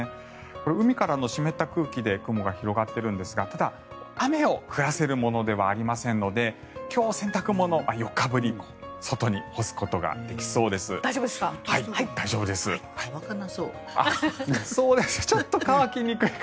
海からの湿った空気で雲が広がっているんですがただ、雨を降らせるものではありませんので今日、洗濯物４日ぶりに大丈夫ですか。